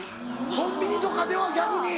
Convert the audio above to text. コンビニとかでは逆に？